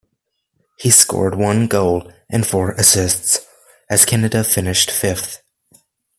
He scored one goal and four assists as Canada finished fifth.